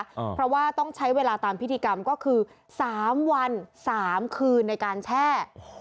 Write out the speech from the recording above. เพราะว่าต้องใช้เวลาตามพิธีกรรมก็คือสามวันสามคืนในการแช่